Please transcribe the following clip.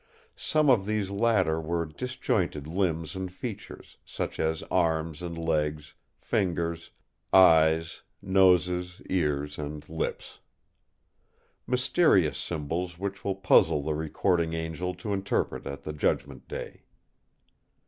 Some of these latter were disjointed limbs and features, such as arms and legs, fingers, eyes, noses, ears, and lips. Mysterious symbols which will puzzle the Recording Angel to interpret at the Judgment Day.